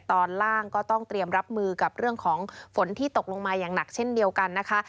ตอนล่างก็ต้องเตรียมรับมือกับเรื่องของฝนที่ตกลงมาอย่างหนักเช่นเดียวกันนะคะ